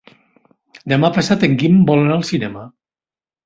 Demà passat en Guim vol anar al cinema.